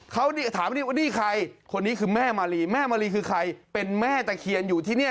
เขาถามนี่ว่านี่ใครคนนี้คือแม่มาลีแม่มารีคือใครเป็นแม่ตะเคียนอยู่ที่นี่